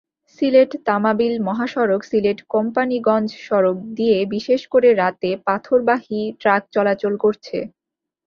সিলেট-তামাবিল মহাসড়ক, সিলেট-কোম্পানীগঞ্জ সড়ক দিয়ে বিশেষ করে রাতে পাথরবাহী ট্রাক চলাচল করছে।